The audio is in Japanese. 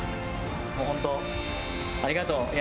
もう本当、ありがとう。